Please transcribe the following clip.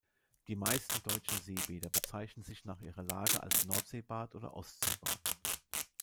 Die meisten deutschen Seebäder bezeichnen sich nach ihrer Lage als "Nordseebad" oder "Ostseebad".